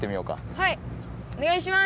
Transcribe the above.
はい！おねがいします！